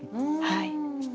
はい。